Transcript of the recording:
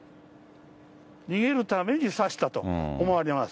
逃げるために刺したと思われます。